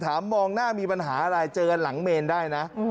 มองหน้ามีปัญหาอะไรเจอหลังเมนได้นะ